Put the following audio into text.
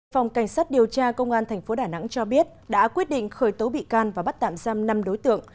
phòng cảnh sát điều tra công an tp đà nẵng cho biết đã quyết định khởi tố bị can và bắt tạm giam năm đối tượng